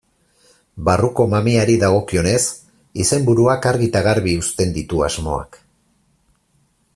Barruko mamiari dagokionez, izenburuak argi eta garbi uzten ditu asmoak.